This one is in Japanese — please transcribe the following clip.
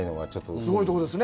すごいところですね。